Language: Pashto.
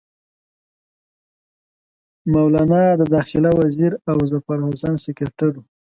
مولنا د داخله وزیر او ظفرحسن سکرټر وو.